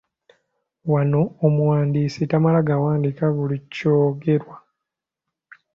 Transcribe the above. Wano omuwandiisi tamala gawandiika buli kyogerwa.